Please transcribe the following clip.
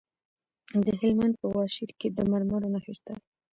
د هلمند په واشیر کې د مرمرو نښې شته.